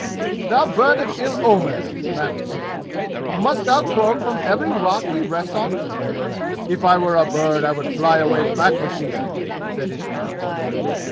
"Thou bird of ill omen!" laughed King. "Must thou croak from every rock we rest on?" "If I were a bird I would fly away back with thee!" said Ismail.